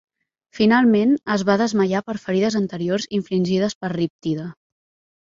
Finalment es va desmaiar per ferides anteriors infligides per Riptide.